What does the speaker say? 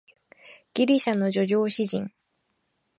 ギリシャの叙情詩人